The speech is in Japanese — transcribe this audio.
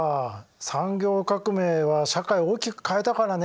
産業革命は社会を大きく変えたからね。